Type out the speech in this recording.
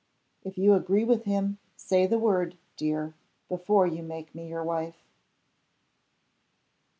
If you agree with him, say the word, dear, before you make me your wife."